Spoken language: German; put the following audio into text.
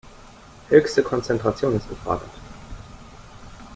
Höchste Konzentration ist gefordert.